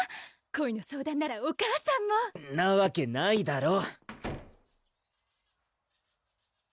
恋の相談ならお母さんもなわけないだろ！